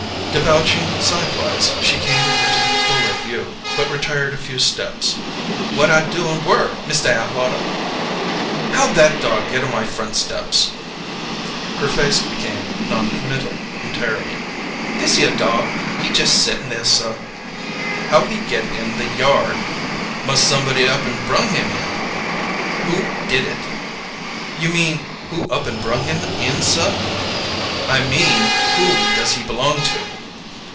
Debouching sidewise she came into fuller view, but retired a few steps. "Whut I doin' whur, Mista Atwater?" "How'd that dog get on my front steps?" Her face became noncommittal entirely. "Thishere dog? He just settin' there, suh." "How'd he get in the yard?" "Mus' somebody up an' brung him in." "Who did it?" "You mean: Who up an' brung him in, suh?" "I mean: Who does he belong to?"